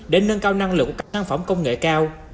để nâng cao năng lượng của các sản phẩm công nghệ cao